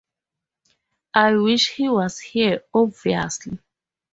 I wish he was here, obviously.